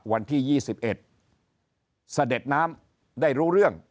วันที่๒๑เสด็จน้ำได้รู้เรื่อง